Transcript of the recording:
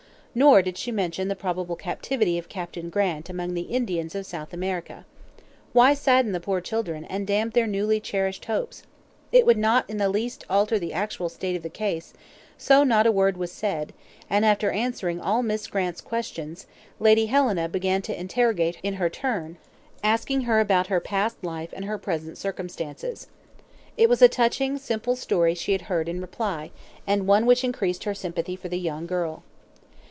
Nor did she mention the probable captivity of Captain Grant among the Indians of South America. Why sadden the poor children, and damp their newly cherished hopes? It would not in the least alter the actual state of the case; so not a word was said, and after answering all Miss Grant's questions, Lady Helena began to interrogate in her turn, asking her about her past life and her present circumstances. It was a touching, simple story she heard in reply, and one which increased her sympathy for the young girl.